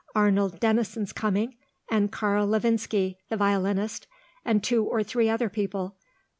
Arnold Denison's coming, and Karl Lovinski, the violinist, and two or three other people.